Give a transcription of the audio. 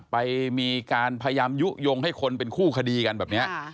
ไปมีการพยายามยุโยงให้คนเป็นคู่คดีกันแบบนี้